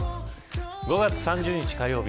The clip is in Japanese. ５月３０日、火曜日